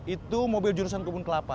itu mobil jurusan kebun kelapa